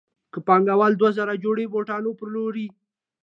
که پانګوال دوه زره جوړې بوټان وپلوري